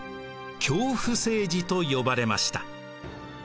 恐怖政治と呼ばれました。